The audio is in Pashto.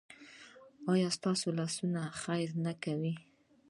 ایا ستاسو لاسونه خیر نه کوي؟